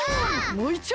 もういっちょ！